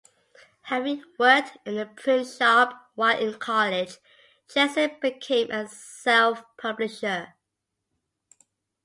Having worked in a print shop while in college, Jensen became a self-publisher.